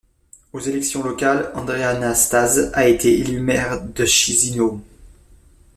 Aux élections locales, Andrei Năstase a été élu maire de Chișinău.